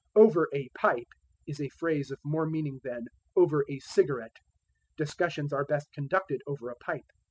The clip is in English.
"Over a pipe" is a phrase of more meaning than "over a cigarette." Discussions are best conducted over a pipe.